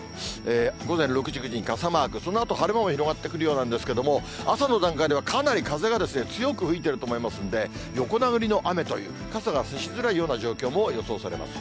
午前６時、９時に傘マーク、そのあと、晴れ間も広がってくるようなんですけども、朝の段階ではかなり風が強く吹いていると思いますんで、横殴りの雨という、傘が差しづらいような状況も予想されます。